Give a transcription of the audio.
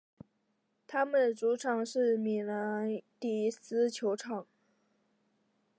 他们的主场是米兰迪斯球场。